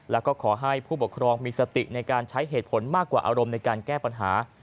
แล้วก็ขอให้ผู้ปกครองมีสติในการใช้เหตุผลมากกว่าอารมณ์ในการแก้ปัญหา